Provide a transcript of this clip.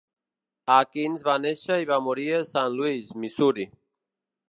Akins va néixer i va morir a Saint Louis, Missouri.